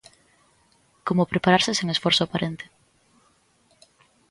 Como prepararse sen esforzo aparente.